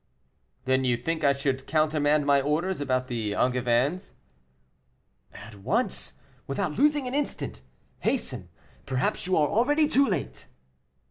"Then you think I should countermand my orders about the Angevins?" "At once, without losing an instant. Hasten; perhaps you are already too late."